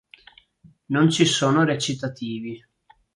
Non ci sono recitativi.